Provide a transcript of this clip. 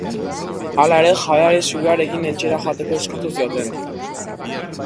Hala ere, jabeari sugearekin etxera joateko eskatu zioten.